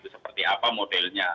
seperti apa modelnya